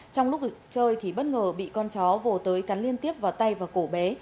trong lúc chơi thì bất ngờ bị con chó vổ tới cắn liên tiếp vào tay và cổ bé